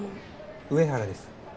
上原です。